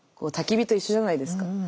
たき火と一緒じゃないですか。